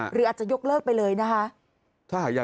หรืออาจจะยกเลิกไปเลยนะคะ